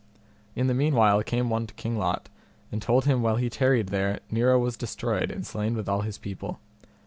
In the meanwhile came one to King Lot, and told him while he tarried there Nero was destroyed and slain with all his people.